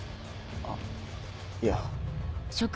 あっいや。